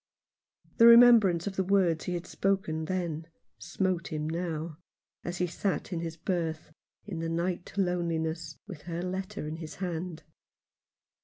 The remembrance of the words he had spoken then smote him now, as he sat in his berth, in the night loneliness, with her letter in his hand.